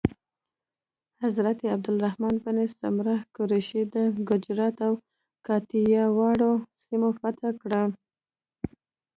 حضرت عبدالرحمن بن سمره قریشي د ګجرات او کاټیاواړ سیمه فتح کړه.